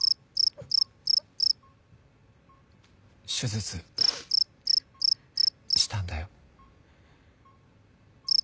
手術したんだよ。